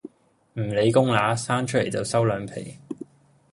唔理公乸，生出嚟就收兩皮